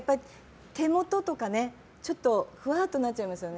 手元とかちょっとふわっとなっちゃいますよね。